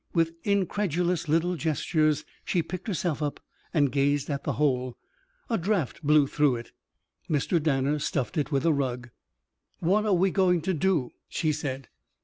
With incredulous little gestures she picked herself up and gazed at the hole. A draught blew through it. Mr. Danner stuffed it with a rug. "What are we going to do?" she said.